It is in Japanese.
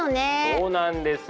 そうなんです。